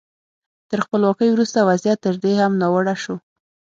تر خپلواکۍ وروسته وضعیت تر دې هم ناوړه شو.